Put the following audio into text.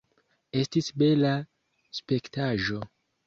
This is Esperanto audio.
Estis bela spektaĵo.